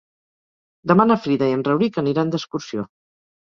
Demà na Frida i en Rauric aniran d'excursió.